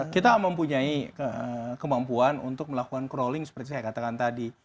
kita mempunyai kemampuan untuk melakukan cralling seperti saya katakan tadi